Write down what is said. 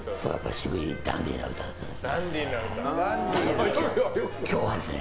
渋い、ダンディーなやつですね。